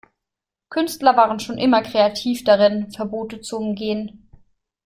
Künstler waren schon immer kreativ darin, Verbote zu umgehen.